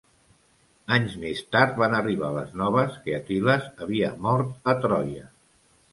Anys més tard, van arribar les noves que Aquil·les havia mort a Troia.